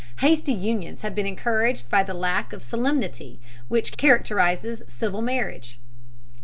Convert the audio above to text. Hasty unions have been encouraged by the lack of solemnity which characterizes civil marriage.